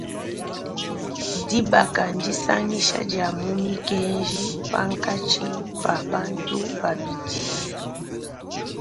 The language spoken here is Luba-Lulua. Dibaka ndisangisha dia mu mikenji pankatshi pa bantu babidi.